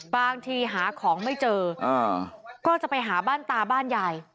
บางทีหาของไม่เจอก็จะไปหาบ้านตาบ้านยาย